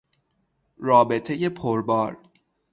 رابطهی پربار